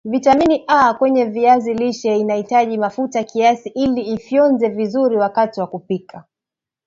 vitamini A kwenye viazi lishe inahitaji mafuta kiasi ili ifyonzwe vizuri wakati wa kupika